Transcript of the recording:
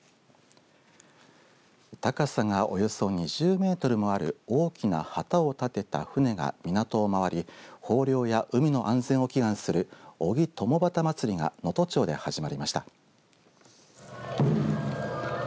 高さがおよそ２０メートルもある大きな旗を立てた船が港を回り豊漁や海の安全を祈願する小木とも旗祭りが能登町で始まりました。